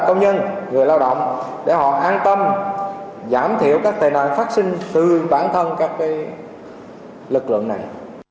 công nhân người lao động để họ an tâm giảm thiểu các tệ nạn phát sinh từ bản thân các lực lượng này